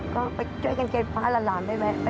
ก็ไปช่วยกันเก็บพาละหลานไปแบบนั้น